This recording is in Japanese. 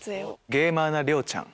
ゲーマーな涼ちゃん。